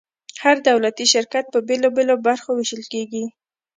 هر دولتي شرکت په بیلو بیلو برخو ویشل کیږي.